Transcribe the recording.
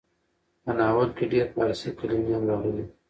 په ناول کې ډېر فارسي کلمې هم راغلې ډي.